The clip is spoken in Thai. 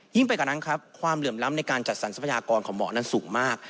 ไปกว่านั้นครับความเหลื่อมล้ำในการจัดสรรทรัพยากรของหมอนั้นสูงมาก